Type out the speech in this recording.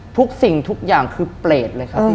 ทุกสิ่งทุกอย่างคือเปรตเลยครับพี่